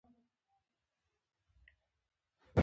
وروسته د نورو شرکتونو خلاف هم اقدام وشو.